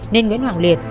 nên nguyễn hoàng liệt